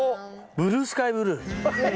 ブルースカイブルー。